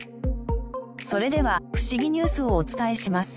それではフシギニュースをお伝えします。